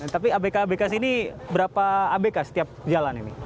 tapi abk abk sini berapa abk setiap jalan ini